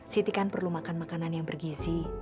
siti kan perlu makan makanan yang bergizi